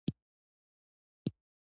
د ملا درد لپاره کوم تېل وکاروم؟